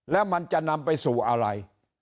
แล้วมันจะนำไปสู่อะไร